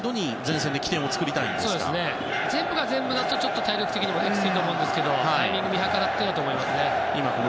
全部が全部だと体力的にもきついと思うんですけどタイミングを見計らってだと思います。